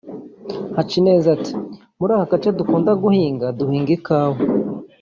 Hacineza ati “ Muri aka gace dukunda guhinga duhinga ikawa